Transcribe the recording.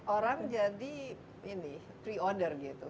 orang jadi ini pre order gitu